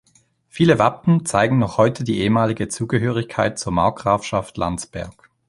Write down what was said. Viele Wappen zeigen noch heute die ehemalige Zugehörigkeit zur Markgrafschaft Landsberg.